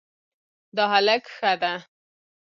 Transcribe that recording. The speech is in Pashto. دا هلک ښه ده